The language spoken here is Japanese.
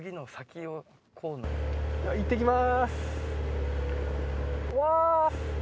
いってきます。